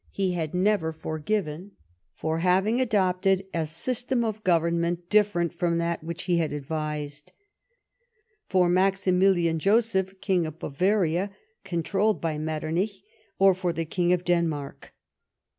he had never forgiven for having adopted a system of Government different from that which he had advised ; for Maximilian Joseph, King of Bavaria, controlled by Metternich ; or for the King of Denmark.